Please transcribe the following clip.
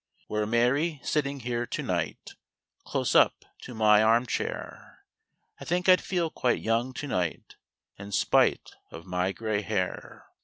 Were Mary sitting here to night, Close up to my arm chair, I think I'd feel quite young to night, In spite of my gray hair.